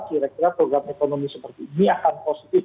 kira kira program ekonomi seperti ini akan positif